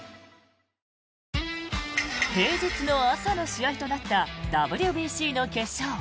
平日の朝の試合となったＷＢＣの決勝。